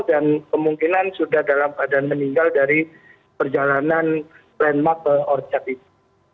dan kemungkinan sudah dalam badan meninggal dari perjalanan landmark ke orchard itu